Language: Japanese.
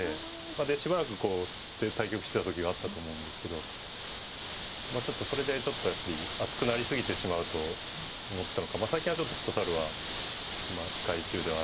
でしばらくこうつって対局してた時があったと思うんですけどちょっとそれでやっぱり熱くなり過ぎてしまうと思ったのか最近はちょっとフットサルは控え中ではあるんですけどね。